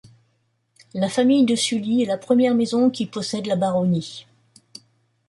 La famille de Sully est la première maison qui possède la baronnie.